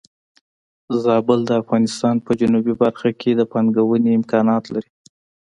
زابل د افغانستان په جنوبی برخه کې د پانګونې امکانات لري.